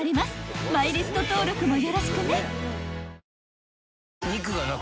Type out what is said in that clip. ［マイリスト登録もよろしくね］